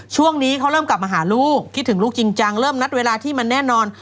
ช่วงนี้เขาเริ่มกลับมาหาลูกคิดถึงลูกจริงจังเริ่มนัดเวลาที่มันแน่นอน